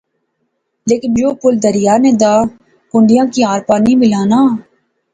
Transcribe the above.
لیکن یو پل دریا نے داں کنڈیاں کی آر پار نی ملانا